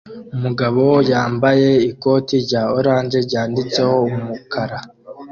Umugabo yambaye ikoti rya orange yanditseho umukara